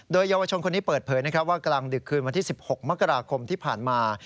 โดยเยาวชนคนนี้เปิดเผยนะครับว่ากลางดึกคืนวันที่๑๖มกราคมที่ผ่านมา